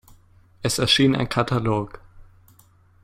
Es erschien ein Katalog.